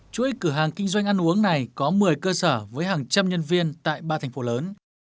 chuỗi cửa hàng kinh doanh ăn uống này có một mươi cơ sở với hàng trăm nhân viên tại ba thành phố lớn